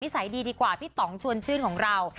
สัยดีดีกว่าพี่ต่องชวนชื่นของเรา